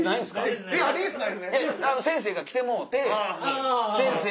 先生が来てもろて先生